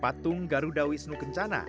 patung garuda wisnu kencana